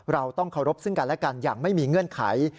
เราต้องเคารพซึ่งกันและกันอย่างไม่มีเงื่อนไข